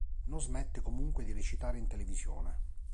Non smette comunque di recitare in televisione.